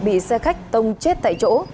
bị xe khách tông chết tại chỗ